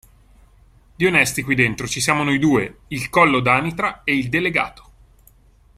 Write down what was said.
Di onesti qui dentro ci siamo noi due, il Collo d'anitra, e il Delegato.